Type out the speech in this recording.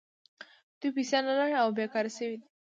دوی پیسې نلري او بېکاره شوي دي